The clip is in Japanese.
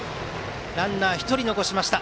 ランナー１人残しました。